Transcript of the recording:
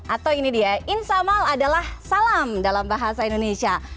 atau ini dia insamal adalah salam dalam bahasa indonesia